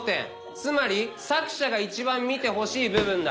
つまり作者がいちばん見てほしい部分だ。